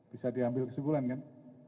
bisa diambil kesimpulan kan